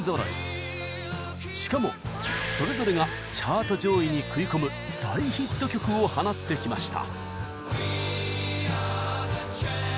しかもそれぞれがチャート上位に食い込む大ヒット曲を放ってきました。